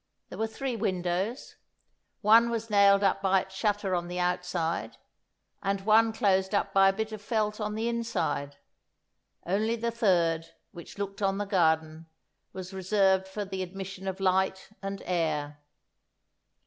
There were three windows; one was nailed up by its shutter on the outside, and one closed up by a bit of felt on the inside; only the third, which looked on the garden, was reserved for the admission of light and air.